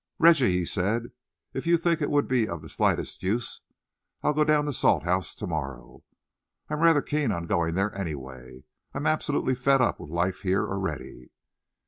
"Reggie," he said, "if you think it would be of the slightest use, I'll go down to Salthouse to morrow. I am rather keen on going there, anyway. I am absolutely fed up with life here already."